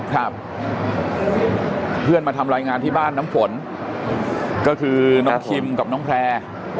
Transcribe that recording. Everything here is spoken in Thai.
ครับเพื่อนมาทำรายงานที่บ้านน้ำฝนก็คือน้องคิมกับน้องแพร่